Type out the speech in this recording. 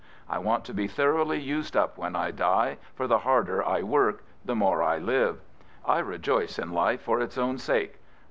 I want to be thoroughly used up when I die, for the harder I work, the more I live, I rejoice in life for its own sake.